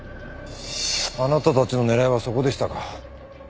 あなたたちの狙いはそこでしたか。